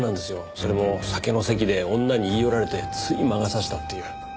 それも酒の席で女に言い寄られてつい魔が差したっていう。